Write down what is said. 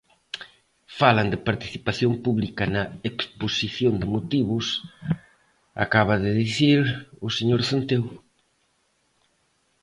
Falan de participación pública na exposición de motivos, acaba de dicir o señor Centeo.